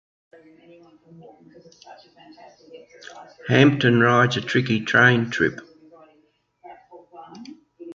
Hamton rides a tricky train trip.